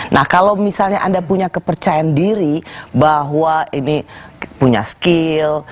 nah kalau misalnya anda punya kepercayaan diri bahwa ini punya skill